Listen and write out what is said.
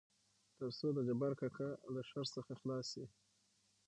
تر څو دجبار کاکا له شر څخه خلاص شي.